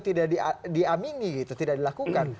tidak diamini tidak dilakukan